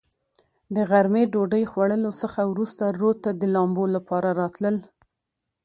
د غرمې ډوډوۍ خوړلو څخه ورورسته رود ته د لمبو لپاره راتلل.